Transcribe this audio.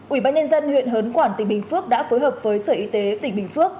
ủy ban nhân dân huyện hớn quản tỉnh bình phước đã phối hợp với sở y tế tỉnh bình phước